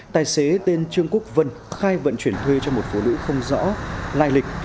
tài xế tên trương quốc vân khai vận chuyển thuê cho một phụ nữ không rõ lai lịch